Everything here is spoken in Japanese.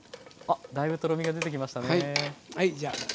あだいぶとろみが出てきましたね。はいじゃあ。